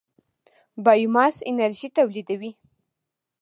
بایوماس انرژي تولیدوي.